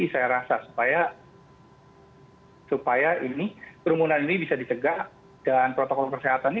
itu harus dikebaiki saya rasa supaya kerumunan ini bisa ditegak dan protokol kesehatan ini